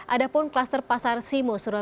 ada pun kluster pasar simo surabaya